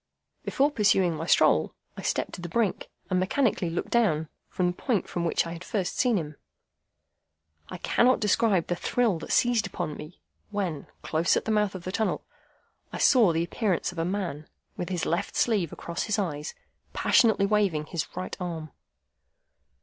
Before pursuing my stroll, I stepped to the brink, and mechanically looked down, from the point from which I had first seen him. I cannot describe the thrill that seized upon me, when, close at the mouth of the tunnel, I saw the appearance of a man, with his left sleeve across his eyes, passionately waving his right arm.